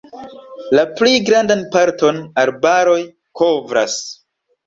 La pli grandan parton arbaroj kovras.